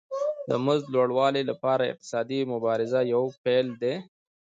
د مزد د لوړوالي لپاره اقتصادي مبارزه یو پیل دی